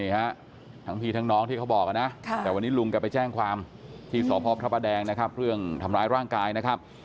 ทั้งพี่ทั้งน้องที่เขาบอกนะแต่วันนี้ลุงแกไปแจ้งความที่สพพระประแดงนะครับเรื่องทำร้ายร่างกายนะครับ